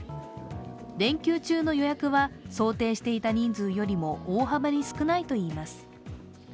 連休中の予約は想定していた人数よりも大幅に少ないといいます。